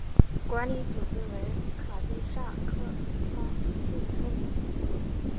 管理组织为卡蒂萨克号信托。